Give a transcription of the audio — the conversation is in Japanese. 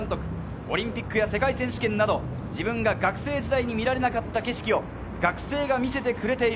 オリンピックや世界選手権など、自分が学生時代に見られなかった景色を学生が見せてくれている。